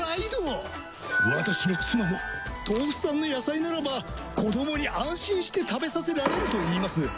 私の妻もトウフ産の野菜ならば子供に安心して食べさせられると言います。